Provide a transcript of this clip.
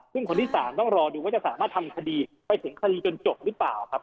ซึ่งคนที่๓ต้องรอดูว่าจะสามารถทำคดีไปถึงคดีจนจบหรือเปล่าครับ